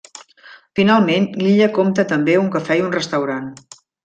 Finalment, l'illa compta també un cafè i un restaurant.